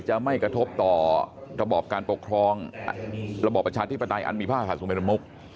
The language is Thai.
ไม่กระทบต่อระบอบการปกครองระบอบประชาธิปไตยอันมีผ้าขาดสุเมฆ